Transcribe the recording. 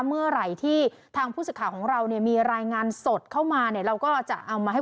เมื่อไหร่ที่ทางผู้สิทธิ์ข่าวของเรา